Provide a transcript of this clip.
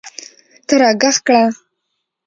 ته راږغ کړه !